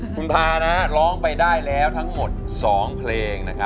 คุณภาคุณภาคล้องไปได้แล้วทั้งหมด๒เพลง